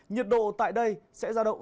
nhiệt độ tại đây sẽ ra động